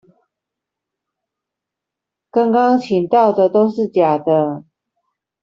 剛剛講到的都是假的